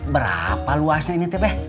berapa luasnya ini teh